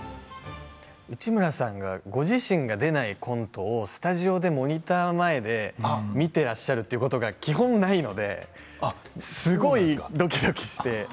内村さんが、ご自身が出ないコントをスタジオでモニター前で見ていらっしゃるということが基本ないのですごいドキドキして。